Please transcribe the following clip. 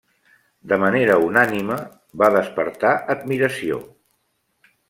De manera unànime, va despertar admiració.